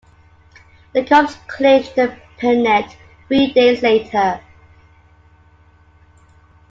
The Cubs clinched the pennant three days later.